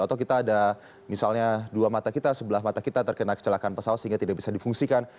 atau kita ada misalnya dua mata kita sebelah mata kita terkena kecelakaan pesawat sehingga tidak bisa difungsikan